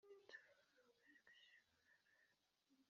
nange bishobora kumbaho kubera kutamenya.